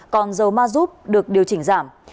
còn dầu mazub được điều chỉnh giảm